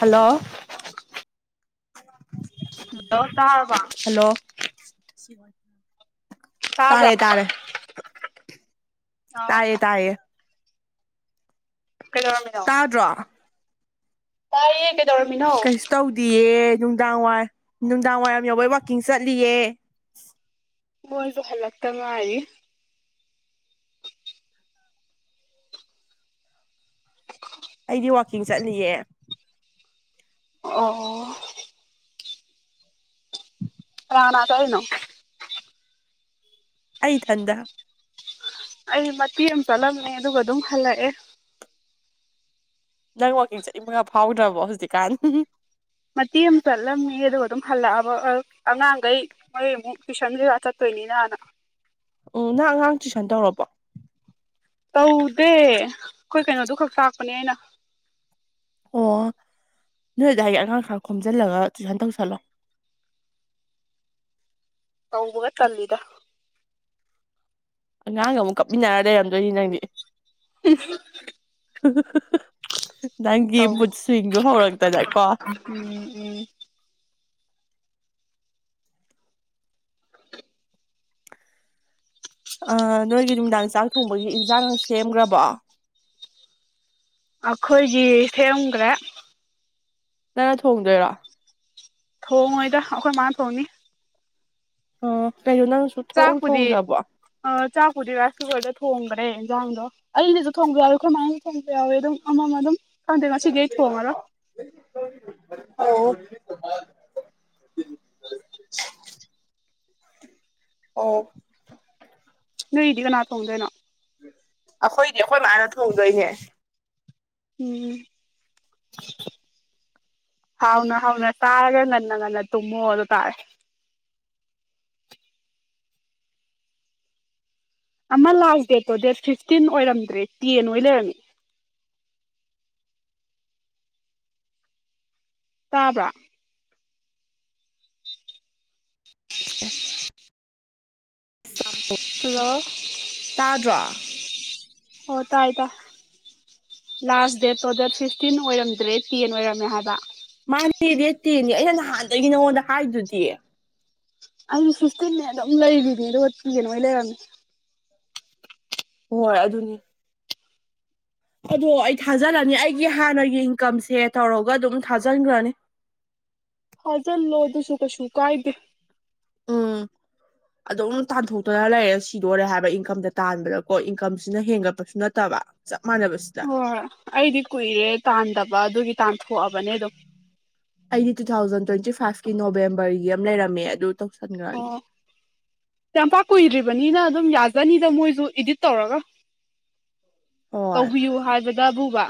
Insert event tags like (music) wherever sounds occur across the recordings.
Hello. (unintelligible) Hello ꯇꯔꯕꯣ꯫ Hello ꯇꯥꯕ꯭ꯔꯥ ꯇꯥꯔꯦ ꯇꯥꯔꯦ꯫ ꯑ ꯇꯥꯏꯌꯦ ꯇꯥꯏꯌꯦ꯫ ꯀꯩꯗꯧꯔꯝꯃꯤ꯫ ꯇꯥꯗ꯭ꯔꯣ꯫ ꯇꯥꯏꯌꯦ ꯀꯩ ꯗꯧꯔꯝꯃꯤꯅꯣ꯫ ꯀꯩꯁꯨ ꯇꯧꯗꯤꯌꯦ ꯅꯨꯡꯗꯥꯡ ꯋꯥꯏ ꯅꯨꯡꯗꯥꯡ ꯋꯥꯏꯔꯝ ꯌꯎꯕꯩ ꯋꯥꯛꯀꯤꯡ ꯆꯠꯂꯤꯌꯦ꯫ ꯃꯣꯏꯁꯨ ꯍꯜꯂꯛꯇ ꯉꯥꯏꯔꯤ꯫ ꯑꯩꯗꯤ ꯋꯥꯛꯀꯤꯡ ꯆꯠꯂꯤꯌꯦ꯫ ꯑꯣ꯫ ꯀꯅꯥ ꯀꯅꯥ ꯆꯠꯂꯤꯅꯣ꯫ ꯑꯩ ꯊꯟꯗ꯫ ꯑꯩ ꯃꯇꯦꯛ ꯑꯝ ꯆꯠꯂꯝꯃꯦ ꯑꯗꯨꯒ ꯑꯗꯨꯝ ꯍꯜꯂꯛꯑꯦ꯫ ꯅꯪ ꯋꯥꯛꯀꯤꯡ ꯆꯠꯅꯤꯡꯕꯒ ꯐꯥꯎꯗ꯭ꯔꯕꯣ ꯍꯧꯖꯤꯛꯀꯥꯟ꯫ ꯃꯇꯦꯛ ꯑꯃ ꯆꯠꯂꯝꯃꯦ ꯑꯗꯨꯒ ꯑꯗꯨꯝ ꯍꯜꯂꯛꯑꯕ ꯑꯉꯥꯡꯒꯩ꯫ ꯃꯣꯏ ꯑꯃꯨꯛ ꯇꯨꯏꯁꯟ ꯀꯩꯀ ꯆꯠꯇꯣꯏꯅꯤꯅ ꯅꯥ꯫ ꯎꯝ ꯅꯪ ꯑꯉꯥꯡ ꯇꯨꯏꯁꯟ ꯇꯧꯔꯕꯣ꯫ ꯇꯧꯗꯦ ꯑꯩꯈꯣꯏ ꯀꯩꯅꯣꯗꯣ ꯈꯛ ꯇꯥꯛꯄꯅꯦ ꯑꯩꯅ꯫ ꯑꯣ ꯅꯣꯏꯗꯥꯏꯒꯤ ꯑꯉꯥꯡ ꯈꯔ ꯈꯣꯝꯖꯤꯜꯂꯒ ꯇꯨꯏꯁꯟ ꯇꯧꯁꯜꯂꯣ꯫ ꯇꯧꯕꯒ ꯇꯜꯂꯤꯗ꯫ ꯑꯉꯥꯡꯒ ꯑꯃꯨꯛ ꯀꯞꯃꯤꯟꯅꯔ ꯂꯩꯔꯝꯗꯣꯏꯅꯤ ꯅꯪꯗꯤ꯫ (unintelligible) ꯅꯪꯒꯤ ꯇꯧꯕ ꯃꯨꯠꯁꯨ꯭ꯋꯤꯡꯗꯨ ꯍꯧꯔꯛꯇꯅꯀꯣ꯫ ꯎꯝ ꯎꯝ꯫ ꯑ ꯅꯣꯏꯒꯤ ꯅꯨꯡꯗꯥꯡ ꯆꯥꯛ ꯊꯣꯡꯕꯒꯤ ꯏꯟꯁꯥꯡ ꯁꯦꯝꯈ꯭ꯔꯕꯣ꯫ ꯑꯩꯈꯣꯏꯒꯤ ꯁꯦꯝꯒ꯭ꯔꯦ꯫ ꯅꯪꯅ ꯊꯣꯡꯗꯣꯏꯔꯣ꯫ ꯊꯣꯡꯉꯣꯏꯗ ꯑꯩꯈꯣꯏ ꯃꯥꯅ ꯊꯣꯡꯅꯤ꯫ ꯑꯣ ꯀꯩꯩꯅꯣ ꯅꯪꯅꯁꯨ꯫ ꯆꯥꯛꯄꯨꯗꯤ ꯆꯥꯛꯄꯨꯗꯤ ꯔꯥꯏꯁꯀꯨꯀ꯭ꯔꯗ ꯊꯣꯡꯕꯅꯦ ꯏꯟꯖꯥꯡꯗꯣ꯫ ꯑꯩꯩꯅꯁꯨ ꯊꯣꯡꯕ ꯌꯥꯎꯋꯦ ꯈꯨꯔꯃꯥꯏꯅꯁꯨ ꯊꯣꯡꯕ ꯌꯥꯎꯋꯦ ꯑꯗꯨꯝ ꯑꯃꯃ ꯑꯗꯨꯝ ꯈꯪꯗꯦ ꯉꯁꯤꯒ ꯊꯣꯡꯉꯔ ꯑ (unintelligible) ꯑꯣ ꯅꯣꯏꯗꯤ ꯀꯅꯥ ꯊꯣꯡꯗꯣꯏꯅꯣ ꯑꯩꯈꯣꯏꯗꯤ ꯑꯩꯈꯣꯏ ꯃꯥꯅ ꯊꯣꯡꯗꯣꯏꯅꯦꯦ ꯎꯝ ꯍꯥꯎꯅ ꯍꯥꯎꯅ ꯆꯥꯔꯒ ꯉꯟꯅ ꯉꯟꯅ ꯇꯨꯝꯃꯣ ꯑꯗꯨ ꯇꯥꯔꯦ ꯑꯃ ꯂꯥꯁ ꯗꯦꯠꯇꯣ ꯗꯦꯠ ꯐꯤꯐꯇꯤꯟ ꯑꯣꯏꯔꯝꯗ꯭ꯔꯦ ꯇꯦꯟ ꯑꯣꯏꯅ ꯂꯩꯔꯝꯃꯤ ꯇꯥꯕ꯭ꯔꯥ (unintelligible) ꯁꯝ ꯍꯜꯂꯣ ꯇꯥꯗ꯭ꯔꯣ ꯍꯣ ꯇꯥꯏ ꯇ ꯂꯥꯁ ꯗꯦꯠꯇꯣ ꯗ ꯐꯤꯐꯇꯤꯟ ꯑꯣꯏꯔꯝꯗ꯭ꯔꯦ ꯇꯦꯟ ꯑꯣꯏꯔꯝꯃꯦ ꯍꯥꯏꯕ ꯃꯥꯅꯦ ꯔꯦꯠꯇꯦꯅꯦ ꯑꯩꯅ ꯅꯍꯥꯟꯗꯒꯤ ꯅꯉꯣꯟꯗ ꯍꯥꯏꯗꯨꯗꯤ ꯑꯩꯁꯨ ꯁꯤꯁꯇꯤꯟꯅ ꯑꯗꯨꯝ ꯂꯩꯔꯤꯅꯦ ꯑꯗꯨꯠꯄꯤꯤꯒꯦꯅꯣꯣꯏ ꯂꯩꯔꯝꯃꯦ ꯍꯣꯏ ꯑꯗꯨꯅꯦ ꯑꯗꯣ ꯑꯩ ꯊꯥꯖꯜꯂꯅꯤ ꯑꯩꯒꯤ ꯍꯥꯟꯅꯒꯤ ꯏꯟꯀꯝꯁꯦ ꯇꯧꯔꯒ ꯑꯗꯨꯝ ꯊꯥꯖꯟꯈ꯭ꯔꯅꯤ ꯐꯥꯖꯤꯜꯂꯣ ꯑꯗꯨꯁꯨ ꯀꯩꯁꯨ ꯀꯥꯏꯗꯦ ꯎꯝ ꯑꯗꯨꯝ ꯇꯥꯟꯊꯣꯛꯇꯅ ꯂꯩꯔꯦ ꯁꯤꯗꯣꯔꯦ ꯍꯥꯏꯕ ꯏꯟꯀꯝꯗ ꯇꯥꯟꯕꯗꯀꯣ ꯏꯟꯀꯝꯁꯤꯅ ꯍꯦꯟꯒꯠꯄꯁꯨ ꯅꯠꯇꯕ ꯆꯞ ꯃꯥꯟꯅꯅꯕꯁꯤ ꯍꯣꯏꯣꯏ ꯑꯩꯗꯤ ꯀꯨꯏꯔꯦ ꯇꯥꯟꯗꯕ ꯑꯗꯨꯒꯤ ꯇꯥꯟꯊꯣꯛꯑꯕꯅꯦ ꯑ ꯑꯗꯨꯝ ꯑꯩꯗꯤ ꯇꯨ ꯊꯥꯎꯖꯟ ꯇ꯭ꯋꯦꯟꯇꯤ ꯐꯥꯏꯚꯀꯤ ꯅꯣꯕꯦꯝꯕꯔꯒꯤ ꯑꯃ ꯂꯩꯔꯝꯃꯦ ꯑꯗꯨ ꯇꯧꯁꯟꯈ꯭ꯔꯅꯤ ꯌꯥꯝꯄꯥꯛ ꯀꯨꯏꯗ꯭ꯔꯤꯕꯅꯤꯅ ꯑꯗꯨꯝ ꯌꯥꯖꯅꯤꯗ ꯃꯣꯏꯁꯨ ꯏꯗꯤꯠ ꯇꯧꯔꯒ ꯍꯣꯏ ꯇꯧꯕꯤꯌꯨ ꯍꯥꯏꯕꯗꯕꯨꯕ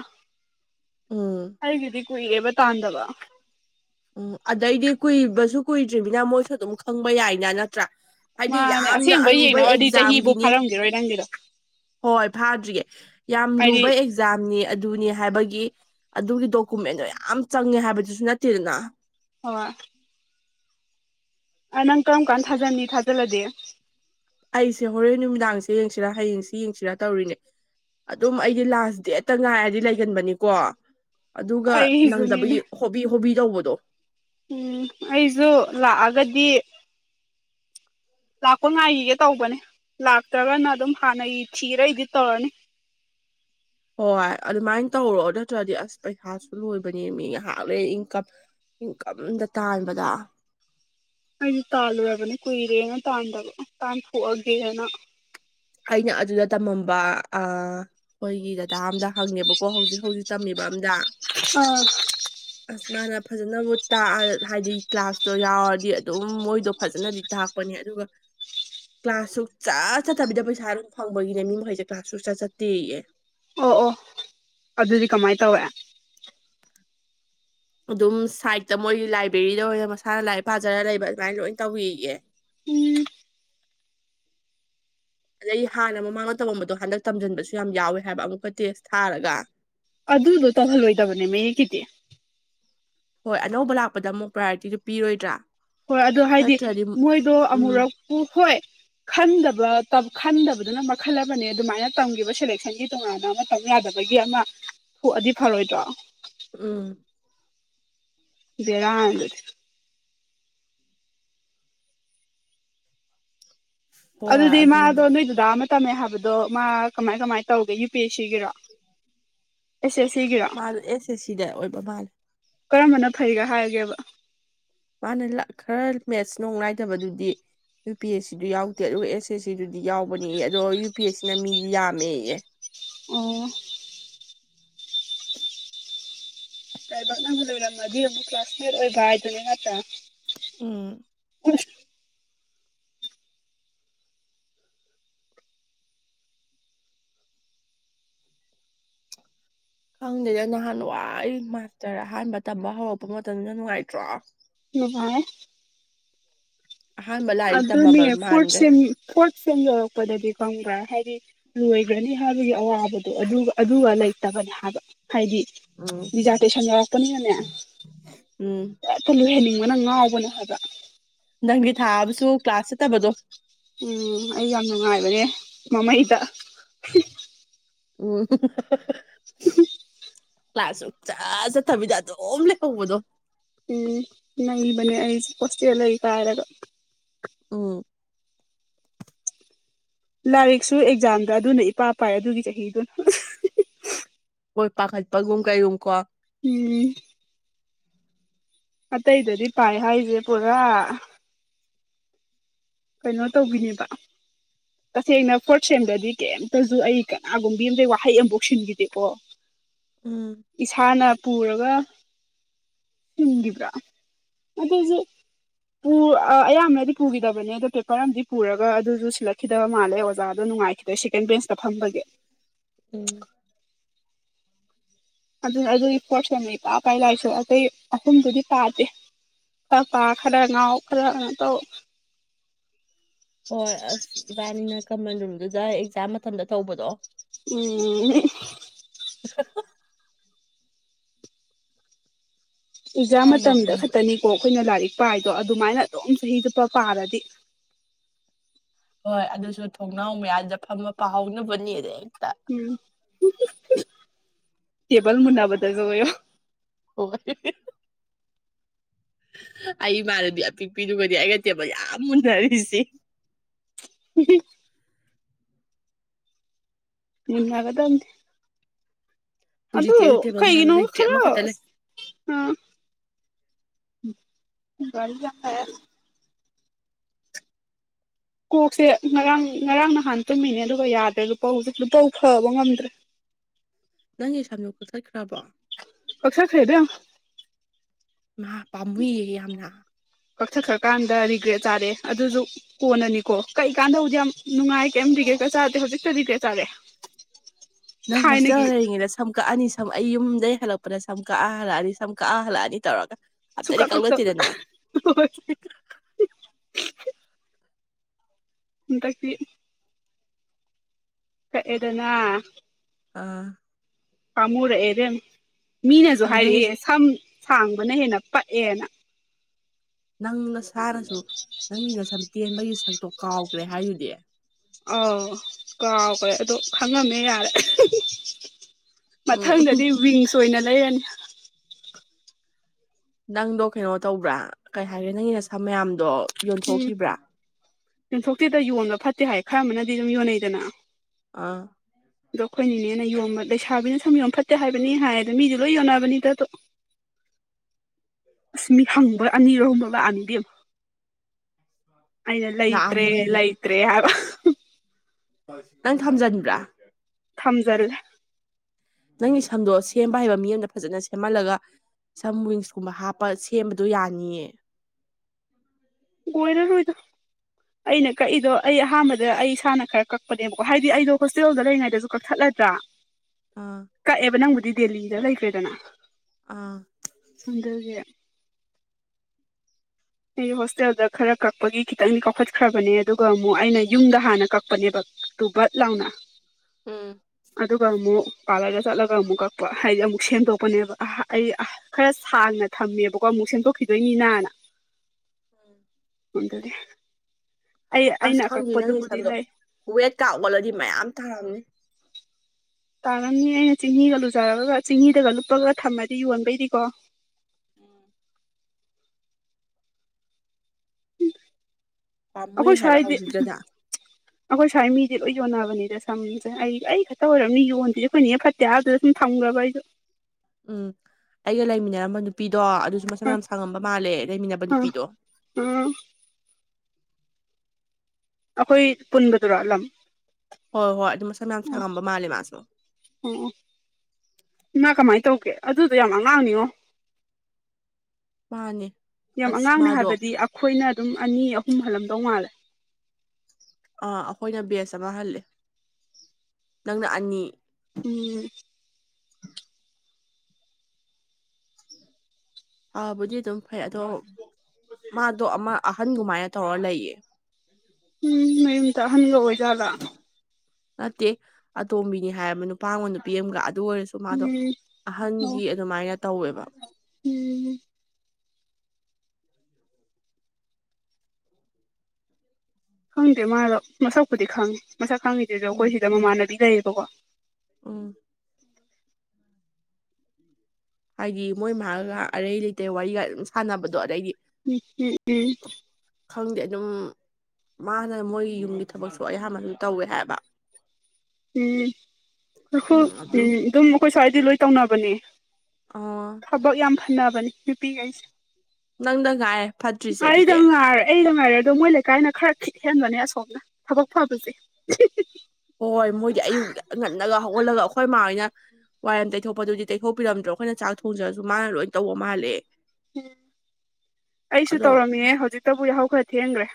ꯎꯝ ꯑꯩꯒꯤꯗꯤ ꯀꯨꯏꯔꯦꯕ ꯇꯥꯟꯗꯕ ꯎꯝ ꯑꯗꯩꯗꯤ ꯀꯨꯏꯕꯁꯨ ꯀꯨꯏꯗ꯭ꯔꯤꯕꯃꯤꯅ ꯃꯣꯏꯁꯨ ꯑꯗꯨꯝ ꯈꯪꯕ ꯌꯥꯏꯅ ꯅꯠꯇ꯭ꯔꯥ ꯍꯥꯏꯗꯤ ꯃꯥꯅꯦ ꯌꯥꯝꯅ ꯑꯁꯦꯡꯕ ꯑꯔꯨꯕ ꯌꯦꯡꯅꯕꯗꯤ ꯆꯍꯤꯕꯨ ꯑꯦꯛꯖꯥꯝꯒꯤꯅꯤ ꯐꯥꯔꯝꯈꯤꯔꯣꯏ ꯅꯪꯒꯤꯗꯣ ꯍꯣꯏ ꯐꯥꯗ꯭ꯔꯤꯌꯦ ꯌꯥꯝ ꯍꯥꯏꯗꯤ ꯂꯨꯕ ꯑꯦ ꯑꯦꯛꯖꯥꯝꯅꯤ ꯑꯗꯨꯅꯤ ꯍꯥꯏꯕꯒꯤ ꯑꯗꯨꯒꯤ ꯗꯣꯀꯨꯃꯦꯟꯗꯣ ꯌꯥꯝ ꯆꯪꯉꯦ ꯍꯥꯏꯕꯗꯨꯁꯨ ꯅꯠꯇꯦꯗꯅ ꯍ ꯅꯪ ꯀꯔꯝ ꯀꯥꯟꯗ ꯊꯥꯖꯅꯤ ꯊꯥꯖꯜꯂꯗꯤ ꯑꯩꯁꯦ ꯍꯣꯔꯦꯟ ꯅꯨꯃꯤꯗꯥꯡꯁꯦ ꯌꯦꯡꯁꯤꯔꯥ ꯍꯌꯦꯡꯁꯤ ꯌꯦꯡꯁꯤꯔꯥ ꯇꯧꯔꯤꯅꯦ ꯑꯗꯨꯝ ꯑꯩꯗꯤ ꯂꯥꯁ ꯗꯦꯠꯇ ꯉꯥꯏꯔꯗꯤ ꯂꯩꯒꯟꯕꯅꯤꯀꯣ ꯑꯗꯨꯒ ꯑꯩꯁꯨꯅꯤꯅꯦ ꯅꯪꯗꯕꯒꯤ ꯍꯣꯕꯤ ꯍꯣꯕꯤ ꯇꯧꯕꯗꯣ ꯎꯝ ꯑꯩꯁꯨ ꯂꯥꯛꯑꯒꯗꯤ ꯂꯥꯛꯄ ꯉꯥꯏꯔꯤꯒꯦ ꯇꯧꯕꯅꯦ ꯂꯥꯛꯇ꯭ꯔꯒꯅ ꯑꯗꯨꯝ ꯍꯥꯟꯅꯒꯤ ꯊꯤꯔ ꯏꯗꯤꯠ ꯇꯧꯔꯅꯤ ꯍꯣꯏ ꯑꯗꯨꯃꯥꯏꯅ ꯇꯧꯔꯣ ꯅꯠꯇ꯭ꯔꯗꯤ ꯑꯁ ꯄꯩꯁꯥꯁꯨ ꯂꯣꯏꯕꯅꯦ ꯃꯤ ꯉꯥꯏꯍꯥꯛ ꯂꯩ ꯏꯟꯀꯝ ꯏꯟꯀꯝꯗ ꯇꯥꯟꯕꯗ ꯑꯩꯗꯤ ꯇꯥꯜꯂꯨꯔꯕꯅꯤ ꯀꯨꯏꯔꯦꯅ ꯇꯥꯟꯗꯕ ꯇꯥꯟꯊꯣꯛꯑꯒꯦꯅ ꯑꯩꯅ ꯑꯗꯨꯗ ꯇꯝꯃꯝꯕ ꯑ ꯑꯩꯈꯣꯏꯒꯤ ꯗꯗꯥ ꯑꯝꯗ ꯍꯪꯉꯦꯕꯀꯣ ꯍꯧꯖꯤꯛ ꯍꯧꯖꯤꯛ ꯇꯝꯃꯤꯕ ꯑꯝꯗ ꯑ ꯑꯁ ꯃꯥꯅ ꯐꯖꯅꯕꯨ ꯇꯥꯛꯑ ꯍꯥꯏꯗꯤ ꯀ꯭ꯂꯥꯁꯇꯣ ꯌꯥꯎꯔꯗꯤ ꯑꯗꯨꯝ ꯃꯣꯏꯗꯣ ꯐꯖꯅꯗꯤ ꯇꯥꯛ ꯑꯗꯨꯒ ꯀ꯭ꯂꯥꯁ ꯆ ꯆ ꯆꯠꯇꯕꯤꯗ ꯄꯩꯁꯥ ꯑꯗꯨꯝ ꯐꯪꯕꯒꯤꯅꯦ ꯃꯤ ꯃꯈꯩꯁꯦ ꯀ꯭ꯂꯥꯁꯁꯨ ꯆꯠ ꯆꯠꯇꯦꯌꯦ ꯑꯣ ꯑꯣ ꯑꯗꯨꯗꯤ ꯀꯃꯥꯏ ꯇꯧꯋꯦ ꯑꯗꯨꯝ ꯁꯥꯏꯠꯇ ꯃꯣꯏꯒꯤ ꯂꯥꯏꯕ꯭ꯔꯦꯔꯤꯗ ꯑꯣꯏꯅ ꯃꯁꯥꯅ ꯂꯥꯏꯔꯤꯛ ꯄꯥꯖꯔ ꯂꯩꯕ ꯑꯗꯨꯃꯥꯏꯅ ꯂꯣꯏꯅ ꯇꯧꯋꯦꯌꯦ ꯎꯝ ꯑꯗꯩ ꯍꯥꯟꯅ ꯃꯃꯥꯡꯗ ꯇꯧꯔꯝꯕꯗꯣ ꯍꯟꯗꯛ ꯇꯝꯁꯤꯟꯕꯁꯨ ꯌꯥꯝ ꯌꯥꯎꯋꯦ ꯍꯥꯏꯕ ꯑꯃꯨꯛꯀ ꯇꯦꯁ ꯊꯥꯔꯒ ꯑꯗꯨꯗꯣ ꯇꯧꯍꯜꯂꯣꯏꯗꯕꯅꯦ ꯃꯌꯦꯛꯀꯤꯗꯤ ꯍꯣꯏ ꯑꯅꯧꯕ ꯂꯥꯛꯄꯗ ꯑꯃꯨꯛ ꯄ꯭ꯔꯥꯏꯌꯣꯔꯤꯇꯤꯗꯨ ꯄꯤꯔꯣꯏꯗ꯭ꯔꯥ ꯍꯣꯏ ꯑꯗꯣ ꯍꯥꯏꯗꯤ ꯅꯠꯇ꯭ꯔꯗꯤ ꯃꯣꯏꯗꯣ ꯎꯝ ꯑꯃꯨꯔꯛꯄꯨ ꯍꯣꯏ ꯈꯟꯗꯕ ꯈꯟꯗꯕꯗꯨꯅ ꯃꯈꯜ ꯑꯃꯅꯦ ꯑꯗꯨꯃꯥꯏꯅ ꯇꯝꯈꯤꯕ ꯁꯦꯂꯦꯛꯁꯟꯒꯤ ꯇꯣꯉꯥꯟꯅ ꯑꯃꯨꯛ ꯇꯝ ꯌꯥꯗꯕꯒꯤ ꯑꯃ ꯊꯣꯛꯑꯗꯤ ꯐꯔꯣꯏꯗ꯭ꯔꯣ ꯎꯝ ꯕꯦꯔꯥꯅꯦ ꯍꯣꯏ ꯑꯗꯨꯗꯤ ꯑꯗꯨꯅꯤ ꯃꯥꯗꯣ ꯅꯣꯏ ꯗꯗꯥ ꯑꯃ ꯇꯝꯃꯦ ꯍꯥꯏꯕꯗꯣ ꯃꯥ ꯀꯃꯥꯏ ꯀꯃꯥꯏꯅ ꯇꯧꯒꯦ ꯌꯨ ꯄꯤ ꯑꯦꯁ ꯁꯤꯒꯤꯔꯣ ꯑꯦꯁ ꯑꯦꯁ ꯁꯤꯒꯤꯔꯣ ꯃꯥꯗꯣ ꯑꯦꯁ ꯑꯦꯁ ꯁꯤꯗ ꯑꯣꯏꯕ ꯃꯥꯜꯂꯦ ꯀꯔꯝꯕꯅ ꯐꯩꯒ ꯍꯥꯏꯒꯦꯕ ꯃꯥꯅ ꯂ ꯈꯔ ꯃꯦꯠꯁ ꯅꯨꯡ ꯂꯥꯏꯗꯕꯗꯨꯗꯤ ꯌꯨ ꯄꯤ ꯑꯦꯁ ꯁꯤꯗꯨ ꯌꯥꯎꯗꯦ ꯑꯗꯨ ꯑꯦꯁ ꯑꯦꯁ ꯁꯤꯗꯨꯗꯤ ꯌꯥꯎꯕꯅꯤ ꯑꯗꯣ ꯌꯨ ꯄꯤ ꯑꯦꯁ ꯁꯤꯅ ꯃꯤꯗꯤ ꯌꯥꯝꯃꯦ ꯌꯦ ꯑꯣ ꯂꯥꯏꯕꯛꯅ ꯃꯨꯛ ꯂꯩꯔꯝꯂꯗꯤ ꯑꯃꯨꯛ ꯀ꯭ꯂꯥꯁꯃꯦꯠ ꯑꯣꯏꯕ ꯍꯥꯏꯗꯨꯅꯦ ꯅꯠꯇ꯭ꯔꯥ ꯎꯝ ꯎꯁ ꯈꯪꯗꯦꯗ ꯅꯍꯥꯟ ꯋꯥꯏ ꯃꯥꯁꯇꯔ ꯑꯍꯥꯟꯕ ꯇꯝꯕ ꯍꯧꯔꯛꯄ ꯃꯇꯝꯗ ꯅꯨꯡꯉꯥꯏꯇ꯭ꯔꯣ ꯅꯨꯡꯉꯥꯏ ꯑꯍꯥꯟꯕ ꯂꯥꯏꯔꯤꯛ ꯑꯗꯨꯅꯦ ꯇꯝꯃꯕ ꯐꯣꯔꯊ ꯃꯥꯟꯈꯩ ꯁꯦꯝ ꯐꯣꯔꯠ ꯁꯦꯝ ꯌꯧꯔꯛꯄꯗꯗꯤ ꯈꯪꯕ꯭ꯔꯥ ꯍꯥꯏꯗꯤ ꯂꯣꯏꯒ꯭ꯔꯅꯤ ꯍꯥꯏꯕꯒꯤ ꯑꯋꯥꯕꯗꯣ ꯑꯗꯨꯒ ꯑꯗꯨꯒ ꯂꯩꯇꯕꯅꯤ ꯍꯥꯏꯕ ꯍꯥꯏꯗꯤ ꯎꯝ ꯃꯤꯖꯥꯔꯇꯦꯁꯟ ꯌꯥꯎꯔꯛꯄꯅꯤꯅꯅꯦ ꯎꯝ ꯀꯅꯣ ꯍꯦꯟꯅꯤꯡꯕꯅ ꯉꯥꯎꯕꯅꯦ ꯍꯥꯏꯕ ꯅꯪꯗꯤ ꯊꯥꯑꯃꯁꯨ ꯀ꯭ꯂꯥꯁ ꯆꯠꯇꯕꯗꯣ ꯎꯝ ꯑꯩ ꯌꯥꯝ ꯅꯨꯡꯉꯥꯏꯕꯅꯦ ꯃꯃꯩꯗ ꯑꯣ ꯑꯥꯍꯝ ꯀ꯭ꯂꯥꯁ ꯁꯨꯡꯆꯠꯇꯕꯤꯗ ꯑꯗꯨꯝ ꯂꯩꯍꯧꯕꯗꯣ ꯎꯝ ꯅꯩꯕꯅꯦ ꯑꯩꯁꯦ ꯍꯣꯁꯇꯦꯜ ꯂꯩ ꯀꯥꯏꯔꯒ ꯑꯝ ꯂꯥꯏꯔꯤꯛꯁꯨ ꯑꯦꯛꯖꯥꯝꯗ ꯑꯗꯨꯅ ꯏꯄꯥ ꯄꯥꯏ ꯑꯗꯨꯒꯤ ꯆꯍꯤꯗꯨꯅ ꯍꯣꯏ ꯄꯥꯈꯠꯄꯒꯨꯝ ꯀꯩꯒꯨꯝ ꯀꯣ ꯎꯝ ꯑꯇꯩꯗꯗꯤ ꯄꯥꯏ ꯍꯥꯏꯁꯦ ꯄꯨꯔꯥ ꯀꯩꯅꯣ ꯇꯧꯕꯤꯅꯦꯕ ꯇꯁꯦꯡꯅ ꯐꯣꯔꯠ ꯁꯦꯝꯗꯗꯤ ꯀꯩꯝꯇꯖ ꯑꯩ ꯀꯅꯥꯒꯨꯝꯕꯤ ꯑꯝꯇ ꯋꯥꯍꯩ ꯑꯃꯕꯨꯛ ꯁꯤꯟꯈꯤꯗꯦꯀꯣ (inaudible) ꯎꯝ ꯏꯁꯥꯅ ꯄꯨꯔꯒ (unintelligible) ꯄꯨ ꯑ ꯑꯌꯥꯝꯕꯅꯗꯤ ꯄꯨꯈꯤꯗꯕꯅꯦ ꯑꯗꯣ ꯄꯦꯄꯔ ꯑꯃꯗꯤ ꯄꯨꯔꯒ ꯑꯗꯨꯁꯨ ꯁꯤꯜꯂꯛꯈꯤꯗꯕ ꯃꯥꯜꯂꯦ ꯑꯣꯖꯥꯗꯣ ꯅꯨꯡꯉꯥꯏꯈꯤ ꯁꯀꯦꯟ ꯕꯦꯟꯁꯇ ꯐꯝꯕꯒꯤ ꯎꯝ ꯑꯗꯨꯅ ꯑꯗꯨꯒꯤ ꯐꯣꯔꯠꯁꯦꯝ ꯏꯄꯥ ꯏꯄꯥ ꯂꯥꯏꯔꯤꯛꯁꯦ ꯑꯇꯩ ꯑꯍꯨꯝꯗꯨꯗꯤ ꯄꯥꯗꯦ ꯈꯔ ꯄꯥ ꯈꯔ ꯉꯥꯎ ꯈꯔ ꯀꯩꯅꯣ ꯇꯧ ꯍꯣꯏ ꯑꯁ ꯏꯕꯥꯅꯤꯅ ꯀꯃꯟ ꯔꯨꯝꯗꯨꯗ ꯑꯦꯛꯖꯥꯝ ꯃꯇꯝꯗ ꯇꯧꯕꯗꯣ ꯎꯝ (unintelligible) ꯑꯣꯛꯖꯥ ꯌꯥꯝ ꯃꯇꯝꯗ ꯅꯣꯛꯅꯤꯡꯕ ꯈꯛꯇꯅꯤꯀꯣ ꯑꯩꯈꯣꯏꯅ ꯂꯥꯏꯔꯤꯛ ꯄꯥꯏꯗꯣ ꯑꯗꯨꯃꯥꯏꯅ ꯑꯗꯨꯝ ꯆꯍꯤ ꯂꯨꯞꯄꯥ ꯄꯥꯔꯗꯤ ꯍꯣꯏ ꯑꯗꯨꯁꯨ ꯊꯣꯡꯅꯥꯎ ꯃꯌꯥꯗ ꯐꯝꯃ ꯄꯥꯍꯥꯎꯅꯕꯅꯦꯗ ꯍꯦꯛꯇ ꯎꯝ ꯇꯦꯕꯜ ꯃꯨꯅꯥꯕꯗꯜꯁꯨꯒꯣ ꯍ ꯑꯩ ꯏꯃꯥꯅꯗꯤ ꯑꯄꯤꯛꯄꯤꯗꯨꯒꯗꯤ ꯑꯩꯒꯠꯇꯦꯕ ꯌꯥꯝ ꯃꯨꯟꯅꯔꯤꯁꯦ ꯎ ꯒꯗ ꯑꯗꯨ ꯍꯧꯖꯤꯛꯇꯤ ꯑꯩ ꯇꯦꯕꯜ ꯃꯌꯥꯝꯗꯣ ꯀꯩꯒꯤꯅꯣ ꯂꯩꯇ꯭ꯔꯦ ꯈꯔ ꯑꯃꯈꯛꯇ ꯂꯩ ꯑꯝ ꯐꯔ ꯀꯣꯛꯁꯦ ꯉꯔꯥꯡ ꯉꯔꯥꯡ ꯅꯍꯥꯟ ꯇꯨꯝꯃꯤꯅꯦ ꯑꯗꯨꯒ ꯌꯥꯗ꯭ꯔꯦ ꯂꯨꯄꯥ ꯍꯧꯖꯤꯛ ꯂ ꯇꯧ ꯐꯕ ꯉꯝꯗ꯭ꯔꯦ ꯅꯪꯒꯤ ꯁꯝꯅꯨ ꯀ ꯆꯠꯈ꯭ꯔꯕꯣ ꯀꯁꯥ ꯈꯩꯗꯣ ꯃꯥ ꯄꯥꯝꯃꯨꯏꯌꯦ ꯌꯥꯝꯅ ꯀꯛꯊꯠꯈ꯭ꯔꯀꯥꯟꯗ ꯔꯤꯒ꯭ꯔꯦꯠ ꯆꯥꯔꯦ ꯑꯗꯨꯁꯨ ꯀꯣꯟꯅꯅꯤꯀꯣ ꯀꯛꯀꯥꯟꯗꯕꯨꯖꯤꯗꯤ ꯌꯥꯝ ꯅꯨꯡꯉꯥꯏ ꯀꯩꯝꯇꯗꯤ ꯀꯩꯀ ꯆꯥꯔꯗꯦ ꯍꯧꯖꯤꯛꯇꯗꯤ ꯀꯦ ꯆꯥꯔꯦ ꯅꯪ ꯍꯣꯁꯦꯜꯜꯗ ꯁꯝ ꯀꯛꯑꯅꯤ ꯁꯝ ꯑꯩ ꯌꯨꯝꯗꯒꯤꯩ ꯍꯜꯂꯛꯄꯗ ꯁꯝ ꯀꯛꯑ ꯍꯜꯂꯛꯑꯅꯤ ꯁꯝ ꯀꯛꯑ ꯍꯜꯂꯛꯑꯅꯤ ꯇꯧꯔꯒ ꯁꯨꯀꯥ ꯑꯝꯇꯗꯤ ꯀꯛꯇꯣ ꯀꯛꯂꯛꯇꯦꯗꯅ ꯍ ꯇꯀꯤ ꯀꯛꯑꯦꯗꯅ ꯑꯥ ꯄꯥꯝꯃꯨꯔꯛꯑꯦ ꯑꯗꯨ ꯃꯤꯅꯁꯨ ꯑꯗꯨ ꯅꯪꯒꯤ ꯍꯥꯏꯔꯛꯑꯦ ꯁꯝ ꯁꯥꯡꯕꯅ ꯍꯦꯟꯅ ꯄꯛꯑꯦꯅ ꯅꯪ ꯅꯁꯥꯅꯁꯨ ꯅꯪꯒꯤ ꯅ ꯁꯝ ꯇꯦꯟꯕꯒꯤ ꯁꯛꯇꯣ ꯀꯥꯎꯈ꯭ꯔꯦ ꯍꯥꯏꯗꯨꯗꯤ ꯑꯥꯎ ꯀꯥꯎꯈ꯭ꯔꯦ ꯑꯗꯨꯗꯣ ꯈꯪꯉꯝꯃꯦ ꯌꯥꯔꯦ ꯎꯝ ꯃꯊꯪꯗꯗꯤ ꯋꯤꯡꯁ ꯑꯣꯏꯅ ꯂꯩꯔꯅꯤ ꯅꯪꯗꯣ ꯀꯩꯅꯣ ꯇꯧꯕ꯭ꯔꯥ ꯀꯩ ꯍꯥꯏꯈ꯭ꯔꯦ ꯅꯪꯒꯤ ꯅꯁꯝ ꯃꯌꯥꯝꯗꯣ ꯎꯝ ꯌꯣꯟꯊꯣꯛꯈꯤꯕ꯭ꯔꯥ ꯌꯦꯟꯊꯣꯛꯇꯤꯗ ꯌꯣꯟꯕ ꯐꯠꯇꯦ ꯍꯥꯏ ꯈꯔ ꯑꯃꯅꯗꯤ ꯑꯗꯨꯝ ꯌꯣꯟꯅꯩꯗꯅ ꯑꯥ ꯑꯗꯣ ꯑꯩꯈꯣꯏꯅꯤꯅꯦꯅ ꯌꯣꯝꯕ ꯂꯩꯁꯥꯕꯤꯅ ꯁꯨꯝ ꯌꯣꯝ ꯐꯠꯇꯦ ꯍꯥꯏꯕꯅꯤ ꯍꯥꯏ ꯑꯗꯣ ꯃꯤꯁꯨ ꯂꯣꯏ ꯌꯣꯟꯅꯕꯅꯤꯗ꯭ꯔꯣ ꯑꯁ ꯃꯤ ꯍꯪꯕ ꯑꯅꯤꯔꯍꯨꯝꯕ ꯂꯥꯛꯅꯤꯗ ꯑꯩꯅ ꯂꯩꯇ꯭ꯔꯦ ꯂꯥꯛꯑꯝꯅꯤꯌꯦ ꯂꯩꯇ꯭ꯔꯦ ꯍꯥꯏꯕ ꯅꯪ ꯊꯝꯖꯟꯕ꯭ꯔꯥ ꯊꯝꯖꯔꯤꯦ ꯅꯪꯒꯤ ꯁꯝꯗꯣ ꯁꯦꯝꯕ ꯍꯥꯏꯕ ꯃꯤ ꯑꯃꯗ ꯐꯖꯅ ꯁꯦꯝꯍꯜꯂꯒ ꯁꯝ ꯋꯤꯡꯁꯀꯨꯝꯕ ꯍꯥꯞꯄ ꯁꯦꯝꯕꯗꯣ ꯌꯥꯅꯤꯌꯦ ꯣꯏꯗꯁꯨꯣꯏꯗ ꯑꯩꯅ ꯀꯛꯏꯗꯣ ꯑꯩ ꯑꯍꯥꯟꯕꯗ ꯑꯩ ꯏꯁꯥꯅ ꯈꯔ ꯀꯛꯄꯅꯦꯕꯀꯣ ꯍꯥꯏꯗꯤ ꯑꯩꯗꯣ ꯍꯣꯁꯇꯦꯜꯗ ꯂꯩꯔꯤꯉꯩꯗꯁꯨ ꯀꯛꯊꯠꯂꯗ꯭ꯔꯥ (inaudible) ꯑꯥ ꯀꯛꯑꯦꯕ ꯅꯪꯕꯨꯗꯤ ꯗꯦꯜꯂꯤꯗ ꯂꯩꯈ꯭ꯔꯦꯗꯅ ꯑꯥ ꯑꯦ ꯑꯩ ꯍꯣꯁꯇꯦꯜꯗ ꯈꯔ ꯀꯛꯄꯒꯤ ꯈꯤꯇꯪꯗꯤ ꯀꯥꯎꯈꯠꯈ꯭ꯔꯕꯅꯦ ꯑꯗꯨꯒ ꯑꯃꯨꯛ ꯑꯩꯅ ꯌꯨꯝꯗ ꯍꯥꯟꯅ ꯀꯛꯄꯅꯦꯕ ꯇꯨꯕꯠ ꯂꯥꯎꯅ ꯎꯝ ꯑꯗꯨꯒ ꯑꯃꯨꯛ ꯄꯥꯔꯂꯔꯗ ꯆꯠꯂꯒ ꯑꯃꯨꯛ ꯀꯛꯄ ꯍꯥꯏꯗꯤ ꯑꯃꯨꯛ ꯁꯦꯝꯗꯣꯛꯄꯅꯦꯕ ꯑ ꯑꯩ ꯈꯔ ꯁꯥꯡꯅ ꯊꯝꯃꯦꯕꯀꯣ ꯑꯃꯨꯛ ꯁꯦꯝꯗꯣꯛꯈꯤꯗꯣꯏꯅꯤꯅꯅ ꯎꯝ ꯃꯗꯔꯦ ꯑꯁ ꯈꯪꯗꯦ ꯅꯪꯒꯤ ꯁꯝꯗꯣ ꯂꯩ ꯋꯦꯠ ꯀꯥꯎ ꯋꯥꯠꯂꯗꯤ ꯃꯌꯥꯝ ꯇꯥꯔꯝꯅꯤ ꯇꯥꯔꯝꯅꯤ ꯑꯩꯅ ꯆꯤꯅꯤꯒ ꯂꯨꯖꯔꯒ ꯆꯤꯅꯤꯗꯒ ꯂꯨꯞꯄꯒ ꯊꯝꯃꯗꯤ ꯌꯣꯟꯕꯩꯗꯤꯀꯣ ꯄꯥꯝꯃꯨꯏ ꯑꯣꯈꯣꯏ ꯍꯥꯏꯕ ꯁꯋꯥꯥꯏꯗꯤ ꯍꯧꯖꯤꯛꯇꯗ ꯑꯩꯈꯣꯏ ꯁ꯭ꯋꯥꯏ ꯃꯤꯗꯤ ꯂꯣꯏ ꯌꯣꯟꯅꯕꯅꯤꯗ ꯁꯝꯁꯦ ꯑꯩ ꯑꯩ ꯈꯛꯇ ꯑꯣꯏꯔꯕꯅꯤ ꯌꯣꯟꯁꯤꯁꯦ ꯑꯩꯈꯣꯏꯅ ꯍ ꯐꯠꯇꯦ ꯍꯥꯏꯥ ꯑꯗꯨꯗ ꯁꯨꯝ ꯊꯝꯈ꯭ꯔꯕ ꯑꯩꯗꯣ ꯎꯝ ꯑꯩꯒ ꯂꯩꯃꯤꯟꯅꯔꯝꯕ ꯅꯨꯄꯤꯗꯣ ꯑꯗꯨꯁꯨ ꯃꯁꯝ ꯑ ꯌꯥꯝ ꯁꯪꯉꯝꯕ ꯃꯥꯜꯂꯦ ꯂꯩꯃꯤꯟꯅꯕ ꯅꯨꯄꯤꯗꯣ ꯎꯝ ꯑꯩꯈꯣꯏ ꯄꯨꯟꯕꯗꯨꯔꯥꯂꯝ ꯍꯣꯏ ꯍꯣꯏ ꯑꯗꯨ ꯃꯁ ꯃꯌꯥꯝꯁꯒꯝꯕ ꯃꯥꯂꯦ ꯃꯥꯁꯨꯣ ꯑꯣ ꯏꯃꯥ ꯀꯃꯥꯏꯅ ꯇꯧꯒꯦ ꯑꯗꯨꯗꯣ ꯌꯥꯝ ꯑꯉꯥꯡꯅꯤꯉꯣ ꯃꯥꯅꯦ ꯌꯥꯝ ꯑꯁ ꯑꯉꯥꯡꯅꯦ ꯃꯥꯗꯣ ꯍꯥꯏꯕꯗꯤ ꯑꯩꯈꯣꯏꯅ ꯑꯗꯨꯝ ꯑꯅꯤ ꯑꯍꯨꯝ ꯍꯜꯂꯝꯗꯧ ꯃꯥꯜꯂꯦ ꯑꯥ ꯑꯩꯈꯣꯏꯅ ꯕꯦꯖ ꯑꯃ ꯍꯜꯂꯦ ꯅꯪꯅ ꯑꯅꯤ ꯎꯝ ꯑꯥꯎꯕꯨꯗꯤ ꯑꯗꯨꯝ ꯐꯩ ꯑꯗꯣ ꯃꯥꯗꯣ ꯑꯃ ꯑꯍꯟꯒꯨꯝꯃꯥꯏꯅ ꯇꯧꯔ ꯂꯩꯌꯦ ꯎꯝ ꯃꯌꯨꯝꯗ ꯑꯍꯟꯒ ꯑꯣꯏꯖꯥꯠꯂꯥ ꯅꯠꯇꯦ ꯑꯇꯣꯝꯕꯤꯅꯤ ꯍꯥꯏꯔꯕ ꯅꯨꯄꯥꯉꯣꯟ ꯅꯨꯄꯤ ꯑꯃꯒ ꯑꯗꯨ ꯑꯣꯏꯔꯁꯨ ꯃꯥꯗꯣ ꯎꯝ ꯑꯣ ꯑꯍꯟꯒꯤ ꯑꯗꯨꯃꯥꯏꯅ ꯇꯧꯋꯦꯕ ꯎꯝ ꯈꯪꯗꯦ ꯃꯥꯗꯣ ꯃꯁꯛꯄꯨꯗꯤ ꯈꯪꯉꯤ ꯃꯁꯛ ꯈꯪꯉꯤꯗꯁꯨ ꯎꯝ ꯑꯩꯈꯣꯏ ꯁꯤꯗ ꯃꯃꯥꯟꯅꯕꯤ ꯂꯩꯌꯦꯕꯀꯣ ꯎꯝ ꯍꯥꯏꯗꯤ ꯃꯣꯏ ꯃꯍꯥꯛꯒ ꯑꯔꯩ ꯂꯩꯇ ꯋꯥꯔꯤꯒ ꯑꯗꯨꯝ ꯁꯥꯟꯅꯕꯗꯣ ꯑꯗꯩꯗꯤ ꯎꯝ ꯎꯝ ꯎꯝ ꯈꯪꯗꯦ ꯑꯗꯨꯝ ꯃꯥꯅ ꯃꯣꯏꯒꯤ ꯌꯨꯝꯒꯤ ꯊꯕꯛꯁꯨ ꯑꯌꯥꯝꯕꯁꯨ ꯇꯧꯋꯦ ꯍꯥꯏꯕ ꯎꯝꯈ ꯎꯝ ꯑꯗꯨꯝ ꯑꯩꯈꯣꯏ ꯁ꯭ꯋꯥꯏꯗꯤ ꯂꯣꯏ ꯇꯧꯅꯕꯅꯦ ꯑꯥ ꯊꯕꯛ ꯌꯥꯝ ꯐꯅꯕꯅꯦ ꯅꯨꯄꯤꯈꯩꯁꯦ ꯅꯪꯗ ꯉꯥꯏꯔꯦ ꯐꯠꯇ꯭ꯔꯤꯁꯦ ꯑꯗꯨꯗꯤ ꯑꯩꯗ ꯉꯥꯏꯔꯦ ꯑꯩꯗ ꯉꯥꯏꯔꯗ꯭ꯔ‌ꯣ ꯃꯣꯏ ꯂꯩꯀꯥꯏꯅ ꯈꯔ ꯈꯤꯠꯍꯦꯟꯕꯅꯦ ꯑꯁꯣꯝꯅ ꯊꯕꯛ ꯐꯕꯁꯦ ꯍꯣꯏ ꯃꯣꯏꯗꯤ ꯑꯌꯨꯛ ꯉꯟꯅꯒ ꯍꯧꯒꯠꯂꯒ ꯑꯩꯈꯣꯏ ꯃꯥ ꯍꯣꯏꯅ ꯋꯥꯏꯔꯝ ꯇꯩꯊꯣꯛꯄꯗꯨꯗꯤ ꯇꯩꯊꯣꯛꯄꯤꯔꯝꯗ꯭ꯔꯣ ꯑꯩꯈꯣꯏꯅ ꯆꯥꯛ ꯊꯣꯡꯖꯔꯁꯨ ꯃꯥꯅ ꯂꯣꯏꯅ ꯇꯧꯕ ꯃꯥꯜꯂꯦ ꯎꯝ ꯑꯩꯁꯨ ꯑꯗꯣ ꯇꯧꯔꯝꯃꯤꯍ‌ꯦ ꯍꯧꯖꯤꯛꯇꯕꯨ ꯌꯥꯍꯧ ꯈꯔ ꯊꯦꯡꯈ꯭ꯔꯦ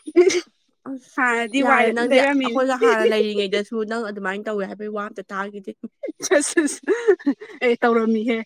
ꯑꯁ ꯍꯥꯟꯅꯗꯤ ꯌꯥꯔꯦ ꯋꯥꯏꯒ ꯑꯗꯨꯝ ꯅꯪꯗꯤ ꯇꯩꯔꯝꯃꯤꯅꯤ ꯑꯩꯈꯣꯏꯒ ꯍꯥꯟꯅ ꯂꯩꯔꯤꯉꯩꯗ ꯁꯨ ꯅꯪ ꯑꯗꯨꯃꯥꯏꯅ ꯇꯧꯋꯦ ꯍꯥꯏꯕꯒꯤ ꯋꯥ ꯑꯝꯇ ꯇꯥꯈꯤꯗ‌ꯦ ꯆꯠꯁ ꯆꯠꯁ ꯑꯩ ꯇꯧꯔꯝꯃꯤꯍꯦ